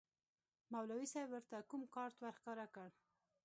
مولوي صاحب ورته کوم کارت ورښکاره کړ.